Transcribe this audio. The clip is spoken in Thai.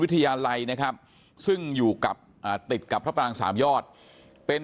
ลัยนะครับซึ่งอยู่กับอ่าติดกับพระปรางสามยอดเป็น